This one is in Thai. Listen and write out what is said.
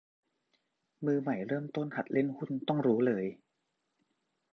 มือใหม่เริ่มต้นหัดเล่นหุ้นต้องรู้เลย